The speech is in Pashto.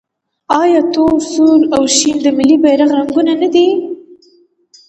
آیا تور، سور او شین د ملي بیرغ رنګونه نه دي؟